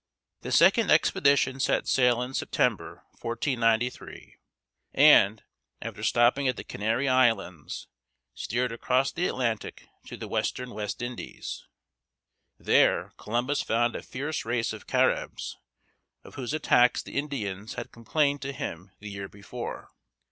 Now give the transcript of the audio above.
The second expedition set sail in September, 1493, and, after stopping at the Canary Islands, steered across the Atlantic to the eastern West Indies. There Columbus found a fierce race of Căr´ibs, of whose attacks the Indians had complained to him the year before.